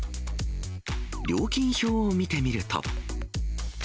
料金表を見てみると。